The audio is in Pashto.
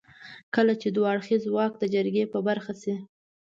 کله چې دوه اړخيز واک د جرګې په برخه شي.